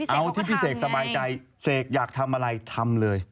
เอาที่พี่เสกสบายใจเสกอยากทำอะไรทำเลย